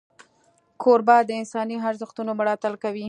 کوربه د انساني ارزښتونو ملاتړ کوي.